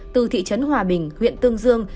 từ thị trấn hòa bình huyện tương dương